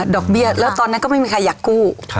อกเบี้ยแล้วตอนนั้นก็ไม่มีใครอยากกู้